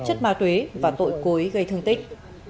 chất ma tuế và tội cối gây thương tích